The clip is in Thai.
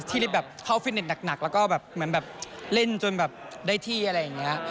ก่อนมากผู้เข้าฟิตเนสแบบหนักแล้วมันเล่นจนได้ที่